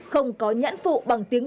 không có nhãn phụ bằng tiền